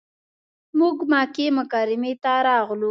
موږ مکې مکرمې ته راغلو.